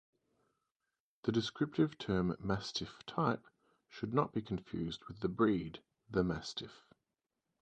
The descriptive term, mastiff type, should not be confused with the breed, the Mastiff.